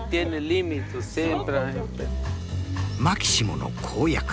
マキシモの公約。